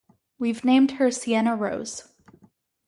We've named her Sienna Rose.